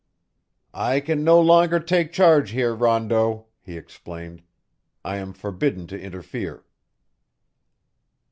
"I can no longer take charge here, Rondeau," he explained. "I am forbidden to interfere."